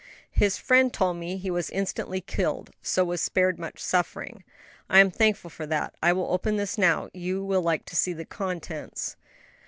"His friend told me he was instantly killed, so was spared much suffering." "I am thankful for that. I will open this now; you will like to see the contents."